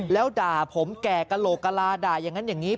แล้วด่าผมแก่กระโหลกกะลาด่าอย่างนั้นอย่างนี้